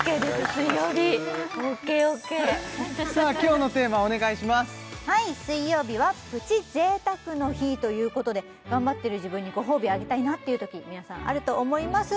水曜日はプチ贅沢の日ということで頑張ってる自分にご褒美あげたいなっていう時皆さんあると思います